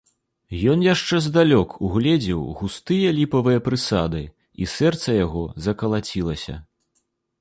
Ён яшчэ здалёк угледзеў густыя ліпавыя прысады, і сэрца яго закалацілася.